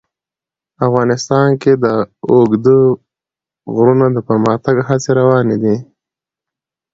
افغانستان کې د اوږده غرونه د پرمختګ هڅې روانې دي.